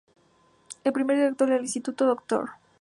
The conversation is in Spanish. El primer director del instituto, Dr.